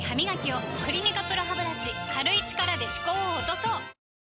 「クリニカＰＲＯハブラシ」軽い力で歯垢を落とそう！